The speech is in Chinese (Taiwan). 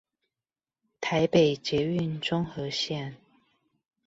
台北捷運中和線